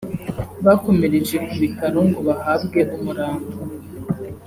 bakomereje ku bitaro ngo bahabwe umurambo